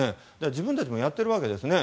自分たちもやっているわけですね。